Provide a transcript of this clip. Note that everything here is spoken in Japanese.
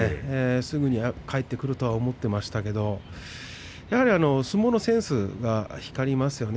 すぐに返ってくると思っていましたけれどもやはり相撲のセンスが光りますね。